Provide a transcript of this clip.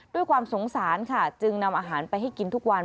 ด้วยความสงสารค่ะจึงนำอาหารไปให้กินทุกวัน